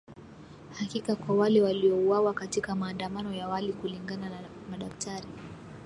Haki kwa wale waliouawa katika maandamano ya awali kulingana na madaktari